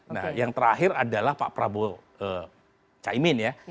nah yang terakhir adalah pak prabowo caimin ya